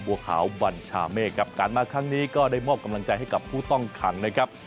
บัวขาวบัญชาเมฆครับการมาครั้งนี้ก็ได้มอบกำลังใจให้กับผู้ต้องขังนะครับ